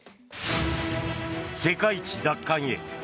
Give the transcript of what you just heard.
世界一奪還へ。